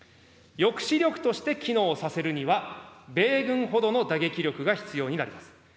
抑止力として機能させるには、米軍ほどの打撃力が必要になります。